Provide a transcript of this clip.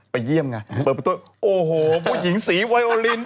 ไปเยี่ยมไงเปิดประตูโอ้โหผู้หญิงสีไวโอลิน